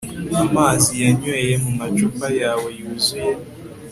Amazi yanyweye mumacupa yawe yuzuye